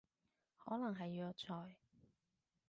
可能係藥材